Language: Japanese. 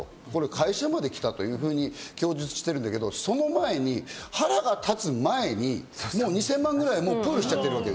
会社まで来たというふうに供述してるんだけど、その前に腹が立つ前に２０００万円ぐらいプールしちゃってる。